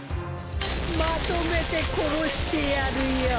まとめて殺してやるよ。